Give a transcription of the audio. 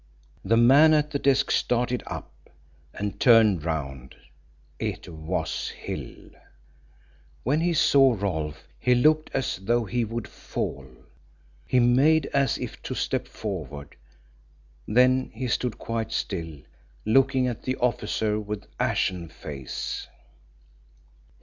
The man at the desk started up, and turned round. It was Hill. When he saw Rolfe he looked as though he would fall. He made as if to step forward. Then he stood quite still, looking at the officer with ashen face.